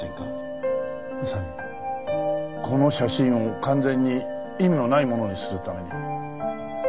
まさにこの写真を完全に意味のないものにするために。